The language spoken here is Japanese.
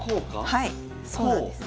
はいそうなんです。